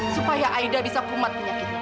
supaya aida bisa kumat penyakit